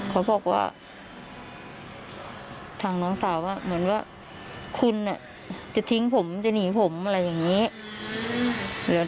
เขาบอกว่าทางน้องสาวว่าเหมือนว่าคุณจะทิ้งผมจะหนีผมอะไรอย่างนี้